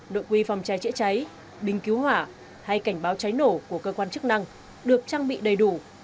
đội quy phòng trái trễ cháy bình cứu hỏa hay cảnh báo trái nổ của cơ quan chức năng được trang bị đầy đủ